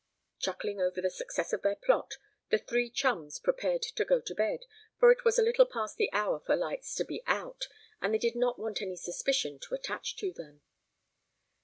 Chuckling over the success of their plot, the three chums prepared to go to bed, for it was a little past the hour for lights to be out, and they did not want any suspicion to attach to them.